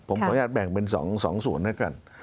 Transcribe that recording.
ผมขออนุญาตแบ่งเป็น๒ส่วนด้วยกัน